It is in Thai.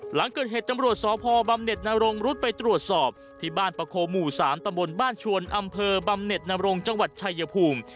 หลังเกิดเหตุตำรวจสพบำเน็ตนรงรุดไปตรวจสอบที่บ้านประโคหมู่๓ตำบลบ้านชวนอำเภอบำเน็ตนรงจังหวัดชายภูมิ